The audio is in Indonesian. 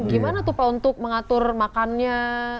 gimana tuh pak untuk mengatur makannya